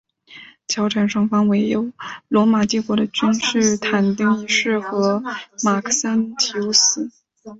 交战双方为罗马帝国的君士坦丁一世和马克森提乌斯。